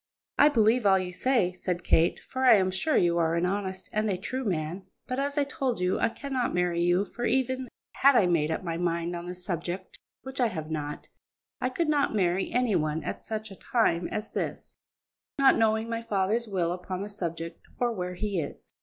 "I believe all you say," said Kate, "for I am sure you are an honest and a true man, but, as I told you, I cannot marry you; for, even had I made up my mind on the subject, which I have not, I could not marry any one at such a time as this, not knowing my father's will upon the subject or where he is."